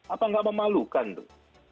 apa nggak memalukan tuh